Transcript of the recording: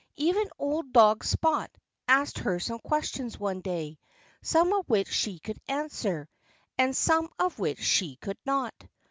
Even old dog Spot asked her some questions one day some of which she could answer, and some of which she could not.